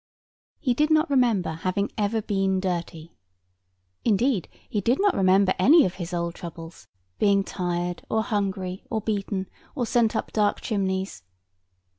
He did not remember having ever been dirty. Indeed, he did not remember any of his old troubles, being tired, or hungry, or beaten, or sent up dark chimneys.